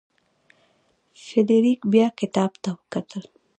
فلیریک بیا کتاب ته وکتل.